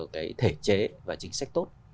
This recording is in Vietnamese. cái thể chế và chính sách tốt